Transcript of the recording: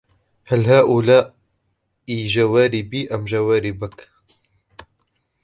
هل هؤلاء جواربي أم جواربك ؟